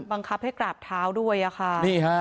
บังคับให้กราบเท้าด้วยอะค่ะ